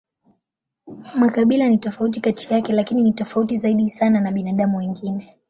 Makabila ni tofauti kati yake, lakini ni tofauti zaidi sana na binadamu wengine.